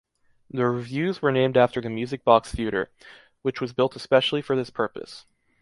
The revues were named after the Music Box Theatre, which was built especially for this purpose.